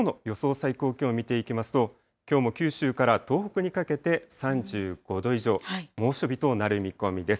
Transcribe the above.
最高気温見ていきますと、きょうも九州から東北にかけて３５度以上、猛暑日となる見込みです。